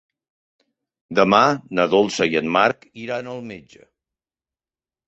Demà na Dolça i en Marc iran al metge.